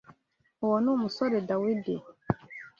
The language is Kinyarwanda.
Uwo ni umusore Dawidi